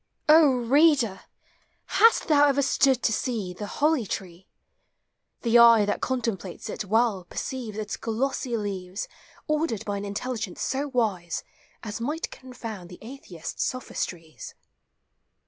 O bbadbb! hast thou ever stood to see The holly tree The eye that contemplate* it well perce Its glossy leaves 222 POEMS OF NATURE. Ordered by an intelligence so wise As might confound the atheist's sophistries.